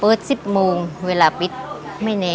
มีรสชาติที่อยู่ตัวตัวเองแล้วอันนี้แบบกลับวานหอมอันนี้จะภาพ